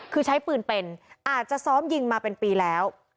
คือใช้ปืนเป็นอาจจะซ้อมยิงมาเป็นปีแล้ว